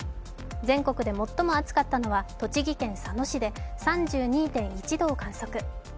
全国で最も暑かったのは栃木県佐野市で３２．１度を観測。